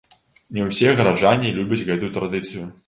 Не ўсе гараджане любяць гэтую традыцыю.